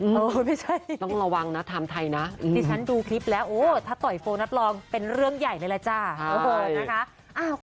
เออไม่ใช่ต้องระวังนะไทม์ไทยนะดิฉันดูคลิปแล้วโอ้ถ้าต่อยโฟนัสลองเป็นเรื่องใหญ่เลยล่ะจ้านะคะ